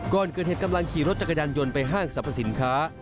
ก่อนเกิดเหตุกำลังขี่รถจักรยานยนต์ไปห้างสรรพสินค้า